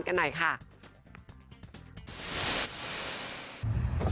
กันหน่อยค่ะ